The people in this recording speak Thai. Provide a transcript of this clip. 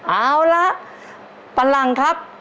เอาล่ะปัลหลังครับ